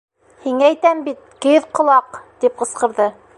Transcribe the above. — Һиңә әйтәм бит, кейеҙ ҡолаҡ! — тип ҡысҡырҙы.